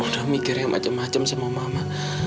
udah mikir yang macam macam sama mama